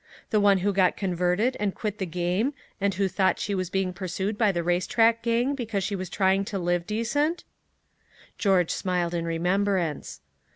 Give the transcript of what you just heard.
The one who got converted and quit the game and who thought she was being pursued by the racetrack gang because she was trying to live decent?" George smiled in remembrance.